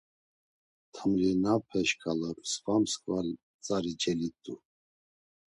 Tamlinape şǩala msǩva msǩva tzari celit̆u.